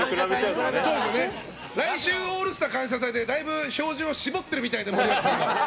来週「オールスター感謝祭」でだいぶ照準を絞っているみたいで。